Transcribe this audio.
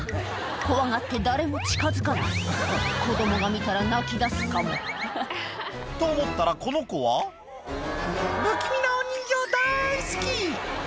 怖がって誰も近づかない子供が見たら泣き出すかもと思ったらこの子は「不気味なお人形だい好き！」